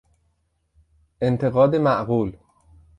انتقاد معقول